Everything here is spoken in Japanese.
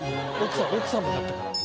奥様だったから。